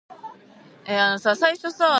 There is a rich understory of mosses and ferns.